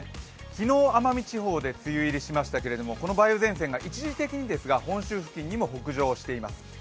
昨日、奄美地方で梅雨入りしましたけれども、この梅雨前線が一時的にですが、本州付近にも北上しています。